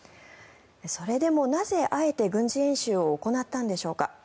それでもなぜ、あえて軍事演習を行ったんでしょうか。